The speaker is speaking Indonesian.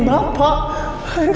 bapak bapak kemana aja pak